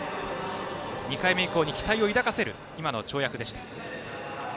２回目以降に期待を抱かせる今の跳躍でした。